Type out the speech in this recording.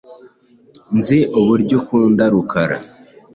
Nzi uburyo ukunda Rukara .